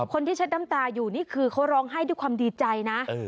เช็ดน้ำตาอยู่นี่คือเขาร้องไห้ด้วยความดีใจนะ